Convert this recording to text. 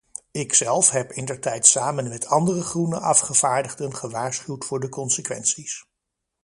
Ikzelf heb indertijd samen met andere groene afgevaardigden gewaarschuwd voor de consequenties.